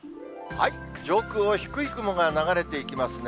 上空を低い雲が流れていきますね。